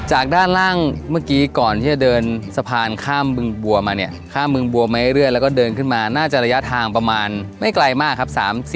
ด้านล่างเมื่อกี้ก่อนที่จะเดินสะพานข้ามบึงบัวมาเนี่ยข้ามบึงบัวมาเรื่อยแล้วก็เดินขึ้นมาน่าจะระยะทางประมาณไม่ไกลมากครับ